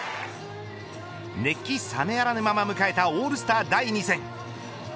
熱気冷めやらぬまま迎えたオールスター第２戦。